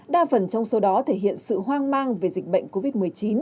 đa phần trong số đó thể hiện sự hoang mang về dịch bệnh covid một mươi chín